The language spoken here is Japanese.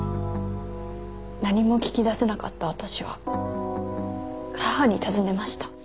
何も聞き出せなかった私は母に尋ねました。